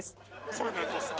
そうなんですって。